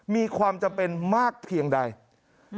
มีความจำเป็นมากเพียงใดอืม